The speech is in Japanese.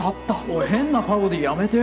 おい変なパロディーやめて。